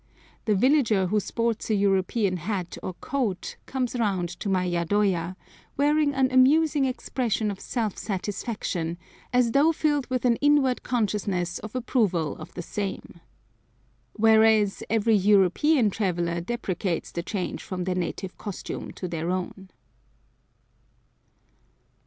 The villager who sports a European hat or coat comes around to my yadoya, wearing an amusing expression of self satisfaction, as though filled with an inward consciousness of inv approval of the same. Whereas, every European traveller deprecates the change from their native costume to our own.